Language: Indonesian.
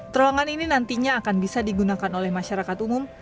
terowongan ini nantinya akan bisa digunakan oleh masyarakat umum